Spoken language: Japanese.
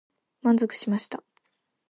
満足しました。